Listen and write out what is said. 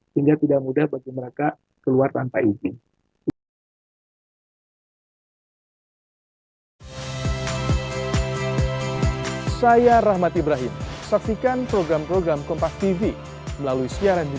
sehingga tidak mudah bagi mereka keluar tanpa izin